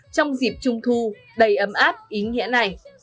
trong dịp trung thu đầy ấm áp ý nghĩa này